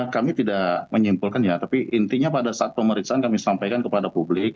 kami tidak menyimpulkan ya tapi intinya pada saat pemeriksaan kami sampaikan kepada publik